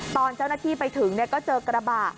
ตอนเจ้าหน้าที่ไปถึงก็เจอกระบะ